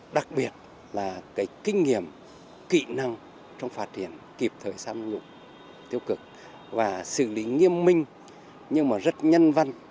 đặc biệt là cái kinh nghiệm kỹ năng trong phát triển kịp thời tham nhũng tiêu cực và xử lý nghiêm minh nhưng mà rất nhân văn